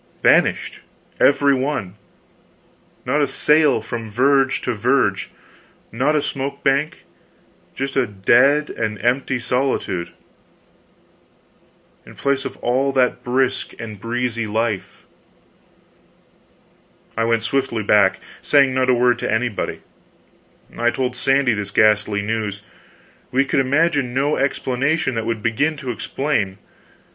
Vanished, every one! Not a sail, from verge to verge, not a smoke bank just a dead and empty solitude, in place of all that brisk and breezy life. I went swiftly back, saying not a word to anybody. I told Sandy this ghastly news. We could imagine no explanation that would begin to explain.